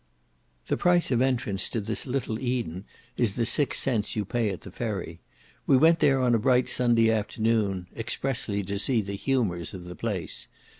The price of entrance to this little Eden, is the six cents you pay at the ferry. We went there on a bright Sunday afternoon, expressly to see the humours of the place.